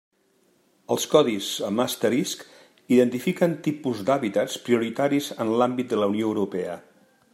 Els codis amb asterisc identifiquen tipus d'hàbitats prioritaris en l'àmbit de la Unió Europea.